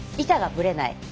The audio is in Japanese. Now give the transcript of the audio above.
板がぶれない。